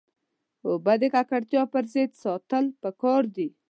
اوبه د ککړتیا پر ضد ساتل پکار دي.